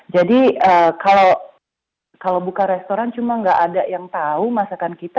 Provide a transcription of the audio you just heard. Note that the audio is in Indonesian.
jadi kalau buka restoran cuma tidak ada yang tahu masakan kita